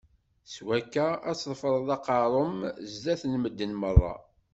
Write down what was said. S wakka, ad trefdeḍ aqerru-m zdat n medden meṛṛa.